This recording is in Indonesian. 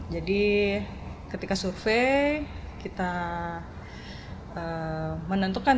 jadi ketika survei kita menentukan